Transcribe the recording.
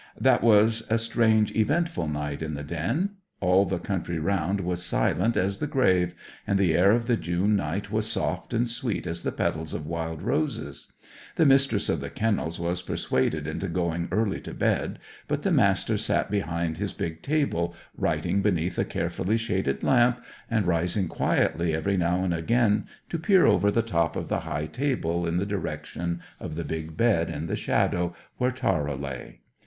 That was a strange, eventful night in the den. All the country round was silent as the grave, and the air of the June night was soft and sweet as the petals of wild roses. The Mistress of the Kennels was persuaded into going early to bed, but the Master sat behind his big table, writing beneath a carefully shaded lamp, and rising quietly every now and again, to peer over the top of the high table in the direction of the big bed in the shadow, where Tara lay.